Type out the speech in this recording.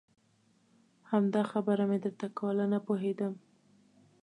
همدا خبره مې درته کوله نه پوهېدم.